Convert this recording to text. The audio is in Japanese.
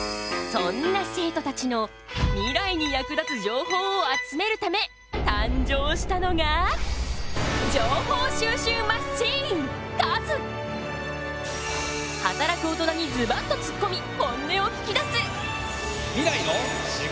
そんな生徒たちのミライに役立つ情報を集めるため誕生したのが働く大人にズバッとつっこみ本音を聞きだす！